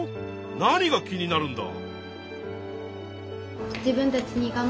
何が気になるんだ。